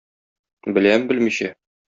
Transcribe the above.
Беләм, белмичә.